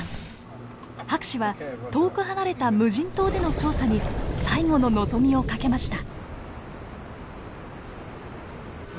博士は遠く離れた無人島での調査に最後の望みを懸けました。